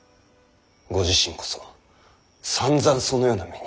ご自身こそさんざんそのような目に。